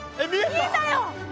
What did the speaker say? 見えたよ。